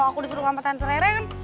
kalau aku diserut sama tante rere kan